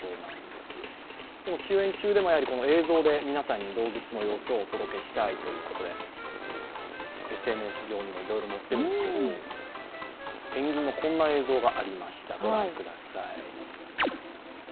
でも休園中でも映像で皆さんに動物の様子をお届けしたいということでＳＮＳ上にもいろいろのってるんですけど、ペンギンのこんな映像がありました、ご覧ください。